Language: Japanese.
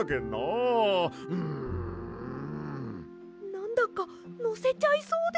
なんだかのせちゃいそうです。